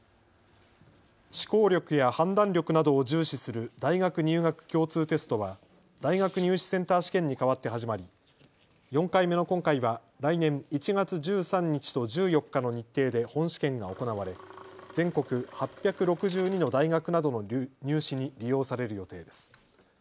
思考力や判断力などを重視する大学入学共通テストは大学入試センター試験に代わって始まり４回目の今回は来年１月１３日と１４日の日程で本試験が行われ全国８６２の大学などの入試に利用される予定です。